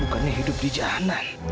bukannya hidup di jalanan